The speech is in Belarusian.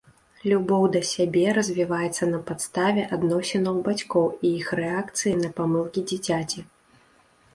Любоў да сябе развіваецца на падставе адносінаў бацькоў і іх рэакцыі на памылкі дзіцяці.